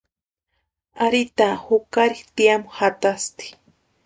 Ari taa jukari tiamu jatasti.